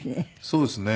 そうですね。